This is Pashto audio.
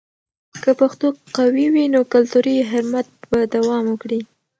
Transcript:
که پښتو قوي وي، نو کلتوري حرمت به دوام وکړي.